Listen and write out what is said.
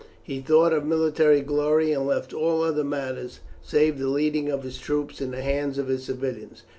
He thought of military glory, and left all other matters, save the leading of his troops, in the hands of his civilians.